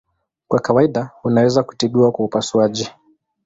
Kwa kawaida unaweza kutibiwa kwa upasuaji.